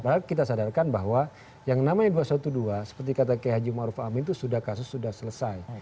padahal kita sadarkan bahwa yang namanya dua ratus dua belas seperti kata kiai haji ⁇ maruf ⁇ amin itu sudah kasus sudah selesai